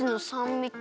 みと